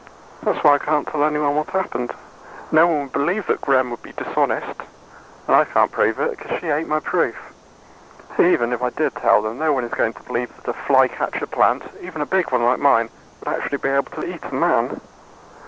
That's why I can't tell anyone what happened. No one would believe that Gremm would be dishonest. And I can't prove it, because she ate the proof. Even if I did tell them, no one is going to believe that a fly catcher plant even a big one like mine would actually be able to eat a man.